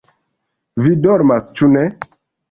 vi dormas, ĉu ne?